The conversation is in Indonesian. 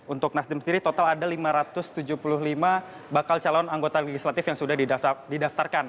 untuk nasdem sendiri total ada lima ratus tujuh puluh lima bakal calon anggota legislatif yang sudah didaftarkan